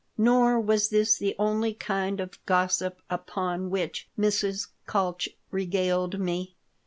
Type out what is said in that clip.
Nor was this the only kind of gossip upon which Mrs. Kalch regaled me.